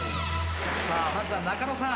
さあまずは中野さん。